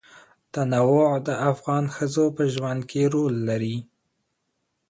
تنوع د افغان ښځو په ژوند کې رول لري.